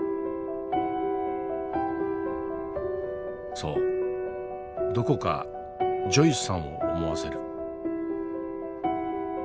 そうどこかジョイスさんを思わせる。